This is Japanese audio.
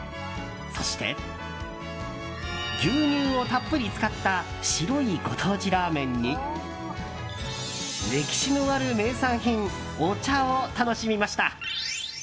そして、牛乳をたっぷり使った白いご当地ラーメンに歴史のある名産品お茶を楽しみました。